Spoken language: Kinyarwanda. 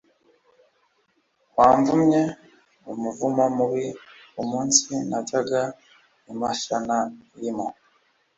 wamvumye umuvumo mubi umunsi najyaga i Mahanayimu